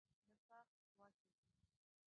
نفاق واچوي.